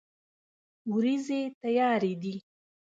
ورېځې تیارې دي